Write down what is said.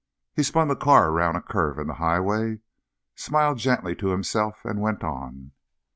He spun the car around a curve in the highway, smiled gently to himself, and went on.